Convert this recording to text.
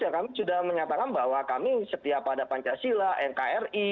ya kami sudah menyatakan bahwa kami setia pada pancasila nkri